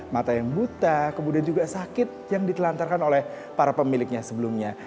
mata yang buta kemudian juga sakit yang ditelantarkan oleh para pemiliknya sebelumnya